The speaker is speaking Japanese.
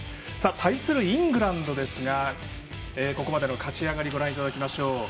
対するイングランドですがここまでの勝ち上がりをご覧いただきましょう。